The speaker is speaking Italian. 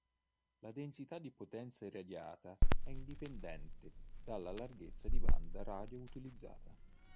La densità di potenza irradiata è indipendente dalla larghezza di banda radio utilizzata.